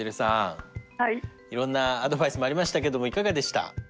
いろんなアドバイスもありましたけどもいかがでした？